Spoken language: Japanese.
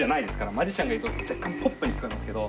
マジシャンが言うと若干ポップに聞こえますけど。